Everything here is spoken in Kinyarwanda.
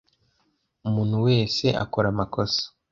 Umuntu wese akora amakosa.